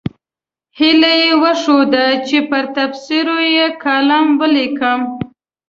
هیله یې وښوده چې پر تبصرو یې کالم ولیکم.